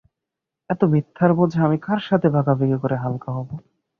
এতো মিথ্যার বোঝা আমি কার সাথে ভাগাভাগি করে হালকা হবো?